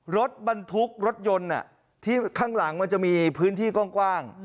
รถบรรทุกรถยนต์ที่ข้างหลังมันจะมีพื้นที่กว้าง